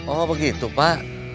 oh begitu pak